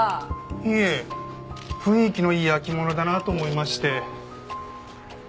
いえ雰囲気のいい焼き物だなと思いまして。